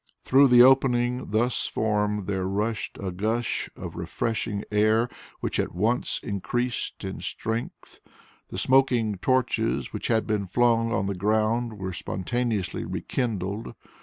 Through the opening thus formed there rushed a gust of refreshing air which at once increased in strength. The smoking torches which had been flung on the ground were spontaneously re kindled.